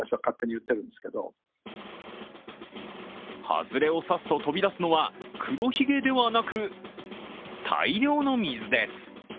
外れを刺すと飛び出すのは黒ひげではなく大量の水です。